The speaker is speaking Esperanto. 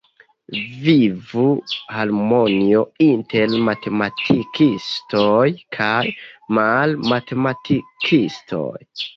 Vivu harmonio inter matematikistoj kaj malmatematikistoj!